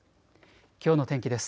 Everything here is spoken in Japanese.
きょうの天気です。